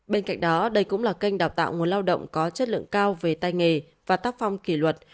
bên cạnh đó đây cũng là kênh đào tạo nguồn lao động có chất lượng cao về tay nghề và tác phong kỷ luật